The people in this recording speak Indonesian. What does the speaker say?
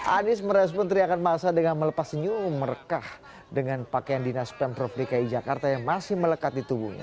anies merespon teriakan masa dengan melepas senyum merekah dengan pakaian dinas pemprov dki jakarta yang masih melekat di tubuhnya